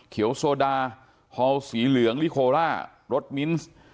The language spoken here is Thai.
เขียวโซดาฮอลสีเหลืองลิโคล่ารสมิ้นซ์